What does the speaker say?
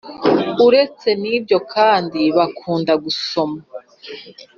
Uretse n’ibyo kandi bakunda gusoma